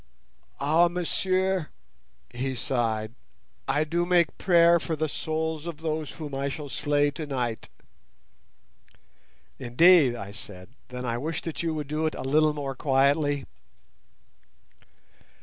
"Ah, monsieur," he sighed, "I do make prayer for the souls of those whom I shall slay tonight." "Indeed," I said, "then I wish that you would do it a little more quietly."